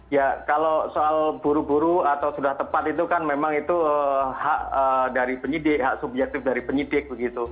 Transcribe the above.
ya kalau soal buru buru atau sudah tepat itu kan memang itu hak dari penyidik hak subjektif dari penyidik begitu